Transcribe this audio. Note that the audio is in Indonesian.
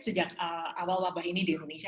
sejak awal wabah ini di indonesia